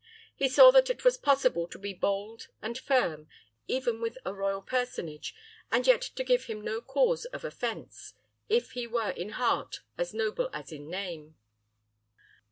He saw that it was possible to be bold and firm, even with a royal personage, and yet to give him no cause of offense, if he were in heart as noble as in name.